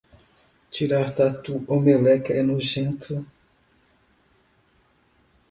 Tirar tatu ou meleca é nojento